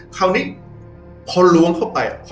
คราวนี้กงง